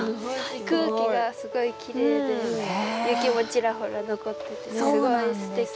空気がすごいきれいで雪もちらほら残っててすごいすてきな。